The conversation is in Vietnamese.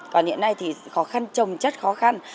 còn hiện nay thì khó khăn trồng chất khó khăn